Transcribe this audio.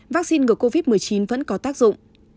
vaccine ngừa covid một mươi chín vẫn có tác dụng